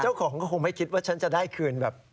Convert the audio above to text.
เจ้าของก็คงไม่คิดว่าฉันจะได้คืนแบบ